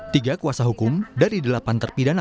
tiga kuasa hukum dari delapan terpidana